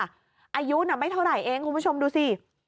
อายุน่ะไม่เท่าไหร่เองคุณผู้ชมดูสิ